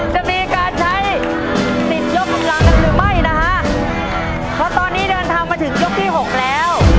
จะมีการใช้สิทธิ์ยกกำลังกันหรือไม่นะฮะเพราะตอนนี้เดินทางมาถึงยกที่หกแล้ว